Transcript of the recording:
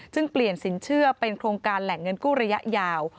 เปลี่ยนสินเชื่อเป็นโครงการแหล่งเงินกู้ระยะยาว